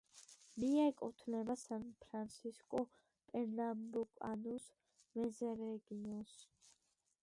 მიეკუთვნება სან-ფრანსისკუ-პერნამბუკანუს მეზორეგიონს.